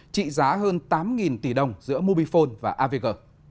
trị giá hơn tám tỷ đồng giữa mobifone và avg